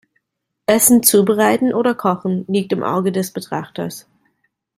Essen zubereiten oder kochen liegt im Auge des Betrachters.